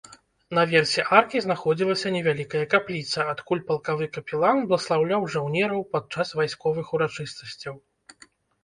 Наверсе аркі знаходзілася невялікая капліца, адкуль палкавы капелан бласлаўляў жаўнераў падчас вайсковых урачыстасцяў.